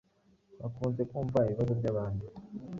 bakunze kumva ibibazo by’abandi